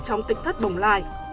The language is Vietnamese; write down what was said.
trong tỉnh thất bồng lai